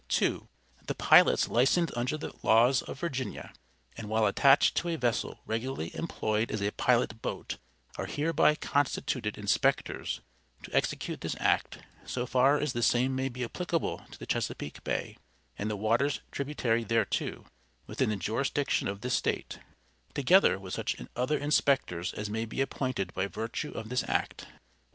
(2.) The pilots licensed under the laws of Virginia, and while attached to a vessel regularly employed as a pilot boat, are hereby constituted inspectors to execute this act, so far as the same may be applicable to the Chesapeake Bay, and the waters tributary thereto, within the jurisdiction of this State, together with such other inspectors as may be appointed by virtue of this act.